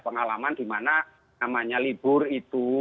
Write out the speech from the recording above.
pengalaman dimana namanya libur itu